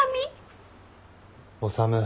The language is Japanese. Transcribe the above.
修。